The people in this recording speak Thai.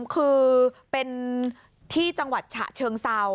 คือเป็นที่จังหวัดฉะเชิงเซา